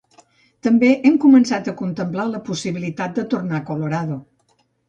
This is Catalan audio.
També hem començat a contemplar la possibilitat de tornar a Colorado.